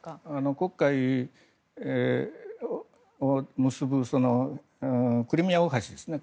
黒海を結ぶクリミア大橋ですね